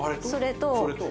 それと。